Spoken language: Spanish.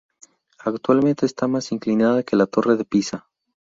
Actualmente está más inclinada que la Torre de Pisa.